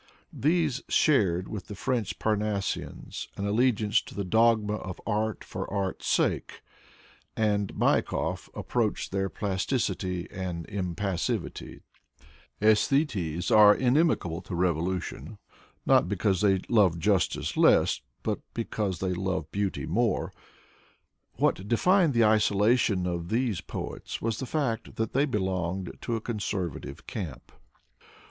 These shared with the French Parnassians an allegiance to the dogma of art for art's sake, and Maikov approached their plasticity and impassivity, .^thetes are inimical to revolution, not because they love justice less, but because they love xiv Introduction beauty more. What defined the isolation of these poets was the fact that they belonged to the conservative camp.